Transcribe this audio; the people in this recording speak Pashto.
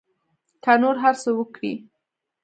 که نور هر څه وکري.